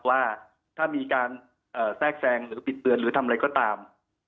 ว่าถ้ามีการแทรกแซงหรือบิดเบือนหรือทำอะไรก็ตาม